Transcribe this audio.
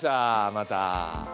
また。